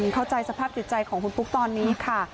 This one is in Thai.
เข้าใจสภาพจิตใจของคุณปุ๊กตอนนี้ค่ะ